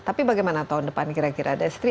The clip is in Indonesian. tapi bagaimana tahun depan kira kira destri